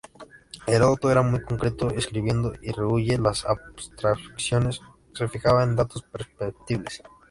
Heródoto era muy concreto escribiendo y rehúye las abstracciones; se fijaba en datos perceptibles.